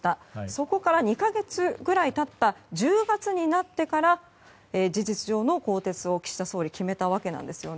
そこから２か月ぐらい経った１０月になってから事実上の更迭を岸田総理は決めたわけです。